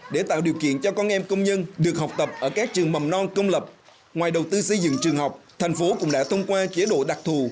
để tạo điều kiện cho con em công nhân được học tập ở các trường mầm non công lập ngoài đầu tư xây dựng trường học thành phố cũng đã thông qua chế độ đặc thù